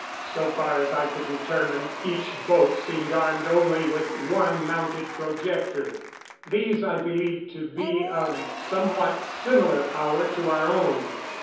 So far as I could determine, each boat seemed armed only with one mounted projector; these I believed to be of somewhat similar power to our own.